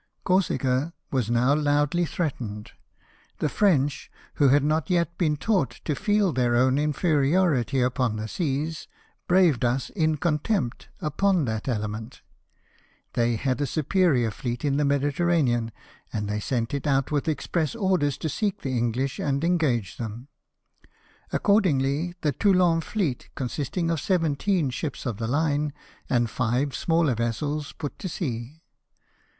Corsica was now loudly threat ened. The French, who had not yet been taught to feel their own inferiority upon the seas, braved us, in contempt, upon that element. They had a superior fleet in the Mediterranean, and they sent it out with express orders to seek the English and engage them. Accordingly, the Toulon fleet, consisting of seventeen ships of the line and ^yq smaller vessels, put to sea.